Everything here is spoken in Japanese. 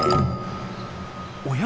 おや？